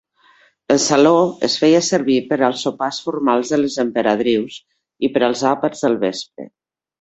El saló es feia servir per als sopars formals de les emperadrius i per als àpats del vespre.